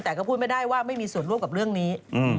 แต่ก็พูดไม่ได้ว่าไม่มีส่วนร่วมกับเรื่องนี้